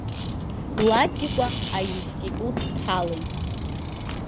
Ладикәа аинститут дҭалеит.